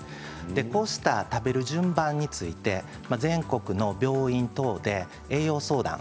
こうした食べる順番について全国の病院等で栄養相談